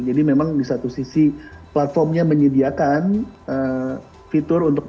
jadi memang di satu sisi platformnya menyediakan fitur untuk